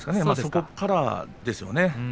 ここからですよね。